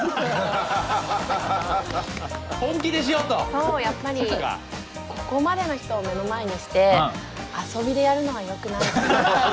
そうやっぱりここまでの人を目の前にして遊びでやるのはよくないかな。